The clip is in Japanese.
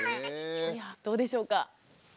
どうでしょうか？